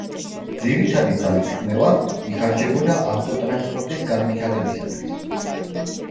ძირითადი ძალისხმევა იხარჯებოდა ავტოტრანსპორტის განვითარებისათვის.